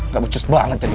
gak lucu banget jadi